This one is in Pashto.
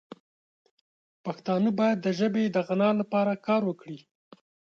پښتانه باید د ژبې د غنا لپاره کار وکړي.